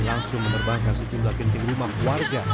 langsung menerbangkan sejumlah genting rumah warga